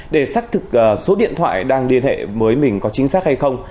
để xác thực số điện thoại đang liên hệ với mình có chính xác hay không